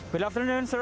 selamat siang sir